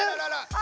あ！